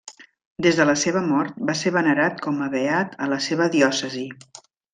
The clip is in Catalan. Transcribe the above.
Des de la seva mort, va ser venerat com a beat a la seva diòcesi.